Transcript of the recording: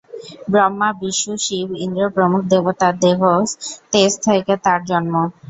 ব্রহ্মা, বিষ্ণু, শিব, ইন্দ্র প্রমুখ দেবতার দেহজ তেজ থেকে তাঁর জন্ম।